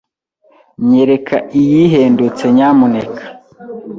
Nyereka iyihendutse, nyamuneka.